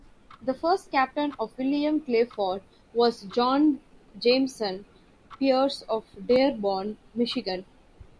The first captain of "William Clay Ford" was John Jameson Pearce of Dearborn, Michigan.